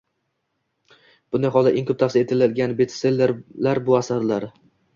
Bunday holda, eng ko'p tavsiya etilgan bestsellerlar - bu asarlar